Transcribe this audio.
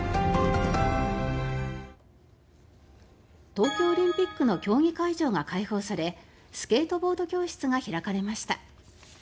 東京オリンピックの競技会場が開放されスケートボード教室が開かれました。